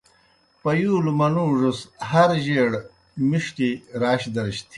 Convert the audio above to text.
پیُولوْ منُوڙوْس ہر جیئر مُݜٹیْ راش درش تِھینوْ۔